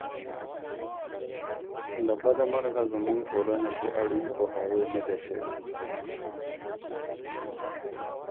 له بده مرغه زموږ ټولنه کې اړین پوهاوی نه دی شوی.